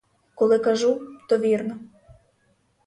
Коли кажу, то вірно.